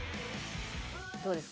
どうですか？